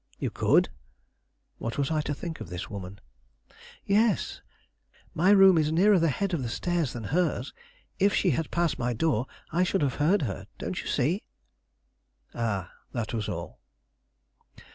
"You could?" What was I to think of this woman? "Yes; my room is nearer the head of the stairs than hers; if she had passed my door, I should have heard her, don't you see?" Ah, that was all.